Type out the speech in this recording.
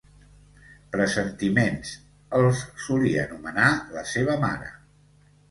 "Pressentiments" els solia anomenar la seva mare.